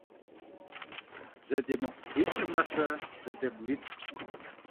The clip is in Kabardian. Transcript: Зэдемыкъу виплӀым нэхърэ, зэдекъу витӀ.